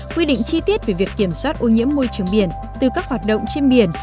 quy định chi tiết về việc kiểm soát ô nhiễm môi trường biển từ các hoạt động trên biển